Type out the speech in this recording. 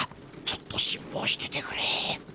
ちょっとしんぼうしててくれ。